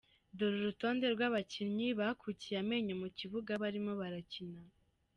Dore urutonde rw’abakinnyi bakukiye amenyo mu kibuga barimo gukina.